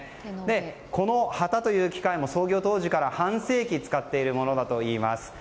このハタという機械も創業当時から半世紀も使っているものだといいます。